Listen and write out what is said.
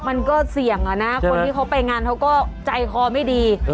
มันก็เสี่ยงอะนะคนที่เขาไปงานเขาก็ใจคอไม่ดี